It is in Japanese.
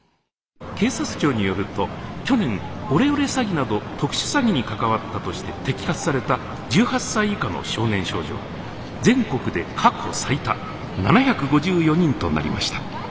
「警察庁によると去年オレオレ詐欺など特殊詐欺に関わったとして摘発された１８歳以下の少年少女は全国で過去最多７５４人となりました。